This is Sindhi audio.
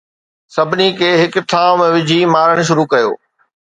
سڀني کي هڪ ٿانو ۾ وجھي مارڻ شروع ڪيو